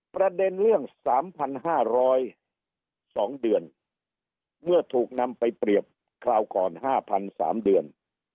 ประเด็นเรื่อง๓๕๐๒เดือนเมื่อถูกนำไปเปรียบคราวก่อน๕๓เดือน